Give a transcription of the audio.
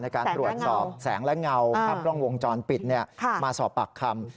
ในการตรวจสอบแสงและเงาภาพกล้องวงจรปิดมาสอบปากคำ